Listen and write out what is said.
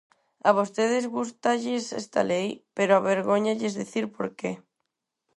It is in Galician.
A vostedes gústalles esta lei, pero avergóñalles dicir por que.